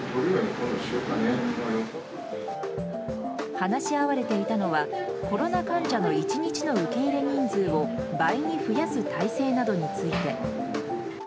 話し合われていたのはコロナ患者の１日の受け入れ人数を倍に増やす態勢などについて。